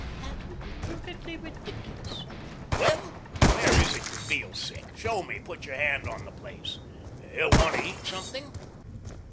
"That would be perfectly ridiculous." "Well, where is it you feel sick? Show me; put your hand on the place. Want to eat something?"